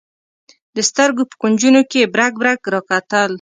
د سترګو په کونجونو کې یې برګ برګ راکتل.